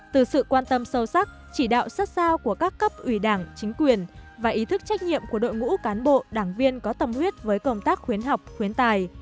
từ sự quan tâm sâu sắc chỉ đạo sát sao của các cấp ủy đảng chính quyền và ý thức trách nhiệm của đội ngũ cán bộ đảng viên có tâm huyết với công tác khuyến học khuyến tài